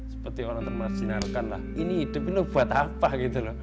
seperti orang termarjinarkan lah ini hidup ini buat apa gitu loh